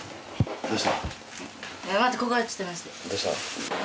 どうしたの？